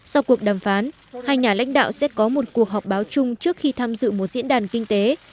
sau cuộc đàm phán hai nhà lãnh đạo sẽ có một cuộc họp báo chung trước khi tham dự một diễn đàn kinh tế